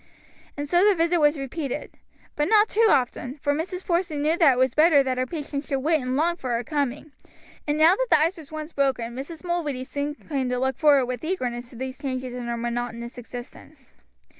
And so the visit was repeated: but not too often, for Mrs. Porson knew that it was better that her patient should wait and long for her coming, and now that the ice was once broken, Mrs. Mulready soon came to look forward with eagerness to these changes in her monotonous existence.